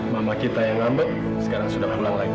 mama kita yang hambat sekarang sudah pulang lagi